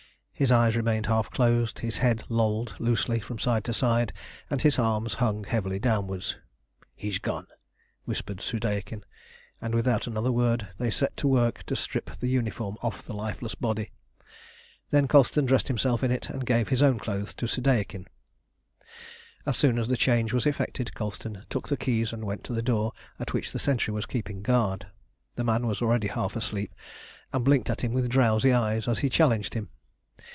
His eyes remained half closed, his head lolled loosely from side to side, and his arms hung heavily downwards. "He's gone," whispered Soudeikin; and, without another word, they set to work to strip the uniform off the lifeless body. Then Colston dressed himself in it and gave his own clothes to Soudeikin. As soon as the change was effected, Colston took the keys and went to the door at which the sentry was keeping guard. The man was already half asleep, and blinked at him with drowsy eyes as he challenged him.